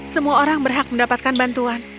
semua orang berhak mendapatkan bantuan